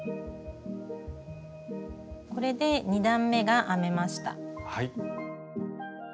これで２段めが編めました。